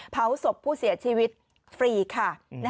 เผาศพผู้เสียชีวิตฟรีค่ะ